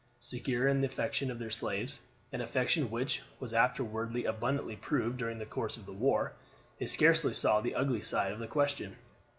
Secure in the affection of their slaves, an affection which was afterward abundantly proved during the course of the war, they scarcely saw the ugly side of the question.